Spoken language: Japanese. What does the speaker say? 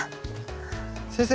先生。